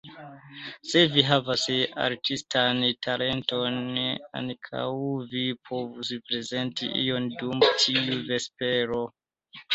Se vi havas artistan talenton, ankaŭ vi povus prezenti ion dum tiu vespero.